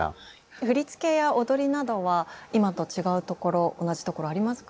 振付や踊りなどは今と違うところ同じところありますか？